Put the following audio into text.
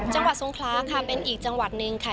จังหวัดทรงคล้าค่ะเป็นอีกจังหวัดหนึ่งค่ะ